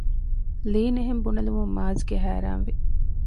ލީން އެހެން ބުނެލުމުން މާޒްގެ ހައިރާންވި